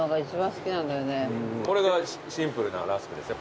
これがシンプルなラスクですよ。